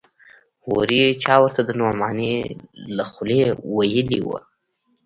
هورې چا ورته د نعماني له خولې ويلي و.